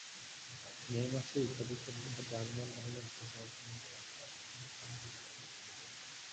মে মাসে ইতালিতে থাকা জার্মান বাহিনী আত্মসমর্পণ করে।